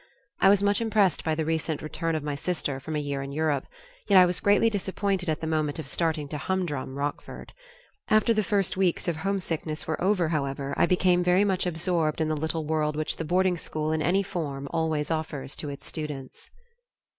I was much impressed by the recent return of my sister from a year in Europe, yet I was greatly disappointed at the moment of starting to humdrum Rockford. After the first weeks of homesickness were over, however, I became very much absorbed in the little world which the boarding school in any form always offers to its students.